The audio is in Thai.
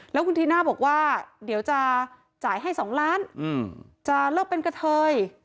แล้วคุณธีน่าบอกว่าเดี๋ยวจะจ่ายให้๒ล้านจะเลิกเป็นกระเทย